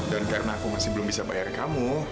dan karena aku masih belum bisa bayar kamu